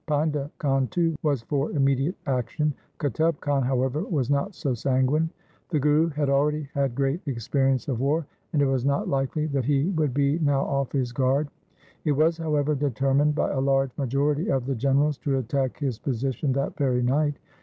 Painda Khan too was for immediate action. Qutub Khan, however, was not so sanguine. The Guru had already had great experience of war; and it was 202 THE SIKH RELIGION not likely that he would be now off his guard. It was, however, determined by a large majority of the generals to attack his position that very night.